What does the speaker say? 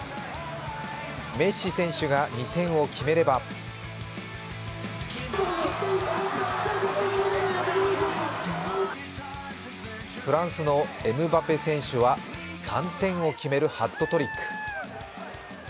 メッシ選手が２点を決めればフランスのエムバペ選手は３点を決めるハットトリック。